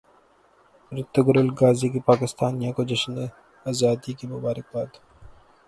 Ertugrul غازی کی پاکستانیوں کو جشن زادی کی مبارکباد